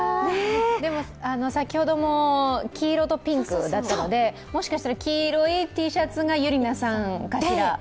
でも、先ほども黄色とピンクだったのでもしかしたら黄色いＴシャツが優里奈さんかしら。